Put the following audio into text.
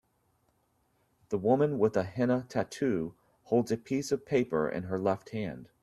The woman with a henna tattoo holds a piece of paper in her left hand.